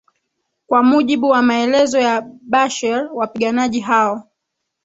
kwa mujibu wamaelezo ya basher wapiganaji hao